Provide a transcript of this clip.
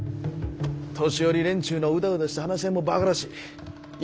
年寄り連中のうだうだした話し合いもバカらしい。